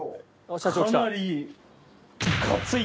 かなり。